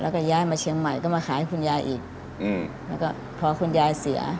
แล้วก็ย้ายมาเชียงใหม่ก็มาขายให้คุณยายอีกอืมแล้วก็พอคุณยายเสีย